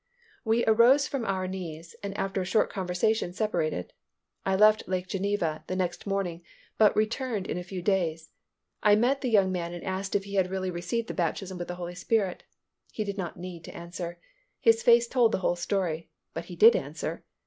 We arose from our knees and after a short conversation separated. I left Lake Geneva the next morning, but returned in a few days. I met the young man and asked if he had really received the baptism with the Holy Spirit. He did not need to answer. His face told the story, but he did answer.